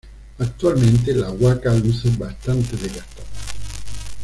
Actualmente la huaca luce bastante desgastada.